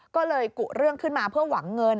ก็เลยกุเรื่องขึ้นมาเพื่อหวังเงิน